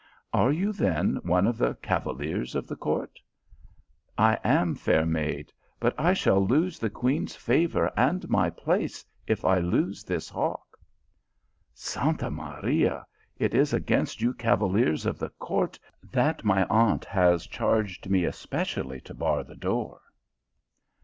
"Are you, then, one of the cavaliers of the court ?"" I am, fair maid ; but I shall lose the queen s favour and my place if I lose this hawk." " Santa Maria ! It is against you cavaliers of the court that my aunt has charged me especially to bar the door."